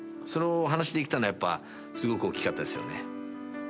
それをお話できたのはやっぱすごく大きかったですよね。